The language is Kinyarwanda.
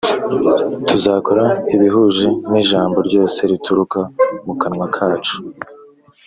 tuzakora ibihuje n ijambo ryose rituruka mu kanwa kacu